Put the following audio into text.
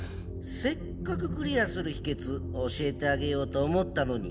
せっかくクリアする秘訣教えてあげようと思ったのに。